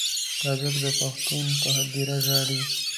تاجک د پښتون پر هدیره ژاړي.